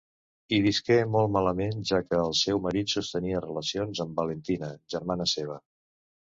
Hi visqué molt malament, ja que el seu marit sostenia relacions amb Valentina, germana seva.